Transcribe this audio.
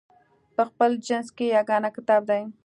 په خپل جنس کې یګانه کتاب دی.